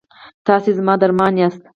تاسې زما درمان یاست؟